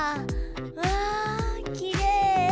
うわきれい！